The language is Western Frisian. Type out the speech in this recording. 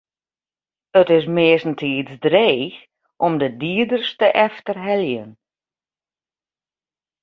It is meastentiids dreech om de dieders te efterheljen.